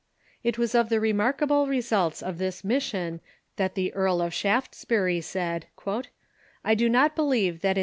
It was of the remarkable results of this mission that ,. the Earl of Shaftesbury said :" I do not believe that in Turkey